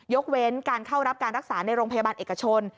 เว้นการเข้ารับการรักษาในโรงพยาบาลเอกชน